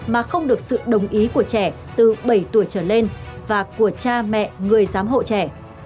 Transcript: mà không được sự đồng ý của trẻ từ bảy tuổi trở lên và của cha mẹ người giám hộ trẻ